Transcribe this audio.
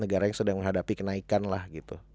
negara yang sedang menghadapi kenaikan lah gitu